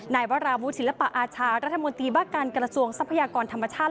นายวราวุฒิศิลปะอาชารัฐมนตรีว่าการกระทรวงทรัพยากรธรรมชาติ